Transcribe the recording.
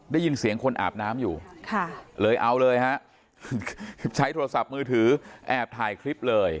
ได้ยินเสียงคนอาบน้ำอยู่เลยเอาเลยฮะใช้โทรศัพท์มือถือแอบถ่ายคลิปเลย